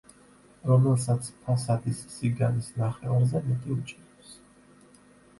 რომელსაც ფასადის სიგანის ნახევარზე მეტი უჭირავს.